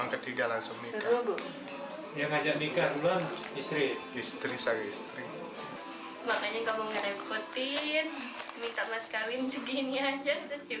ketiga langsung yang ajak nikah belum istri istri makanya kamu ngerepotin minta mas kawin segini aja